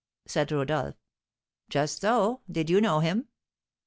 said Rodolph. "Just so. Did you know him?"